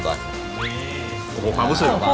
โอ้โหความรู้สึก